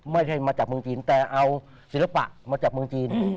ไม่ใช่มาจากเมืองจีนแต่เอาศิลปะมาจากเมืองจีน